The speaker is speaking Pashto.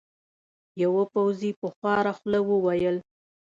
یوه پوځي په خواره خوله وویل.